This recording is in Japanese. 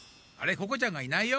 ここちゃんがいないよ？